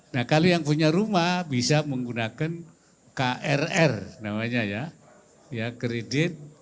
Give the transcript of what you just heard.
nah kalau yang punya rumah bisa menggunakan krr namanya ya kredit